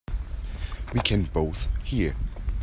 We can both hear.